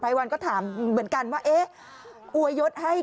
พี่บอกว่าบ้านทุกคนในที่นี่